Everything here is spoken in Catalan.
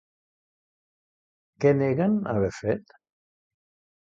Què neguen haver fet?